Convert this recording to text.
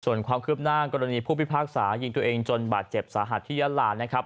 ส่วนความคืบหน้ากรณีผู้พิพากษายิงตัวเองจนบาดเจ็บสาหัสที่ยาลานะครับ